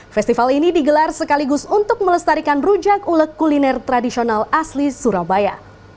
festival ini digelar sekaligus untuk melestarikan rujak ulek kuliner tradisional asli surabaya